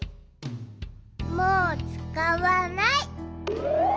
もうつかわない。